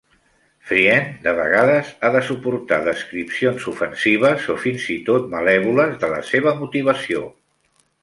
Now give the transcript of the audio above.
Friend de vegades ha de suportar descripcions ofensives o fins i tot malèvoles de la seva motivació.